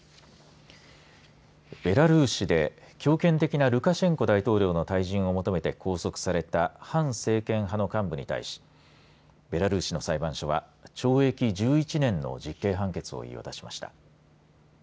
ベラルーシで強権的なルカシェンコ大統領の退陣を求めて拘束された反政権派の幹部に対しベラルーシの裁判所は懲役１１年の実刑判決を言い渡しました。